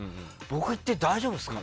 僕いて大丈夫ですか？